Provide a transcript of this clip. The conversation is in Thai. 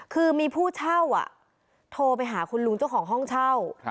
คือมีผู้เช่าโทรไปหาคุณลุงเจ้าของห้องเช่า